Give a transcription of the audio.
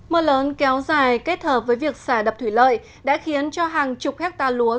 mưa lớn kéo dài kết hợp với việc xả đập thủy lợi đã khiến cho hàng chục hectare lúa